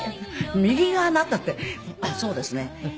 右があなたってそうですね。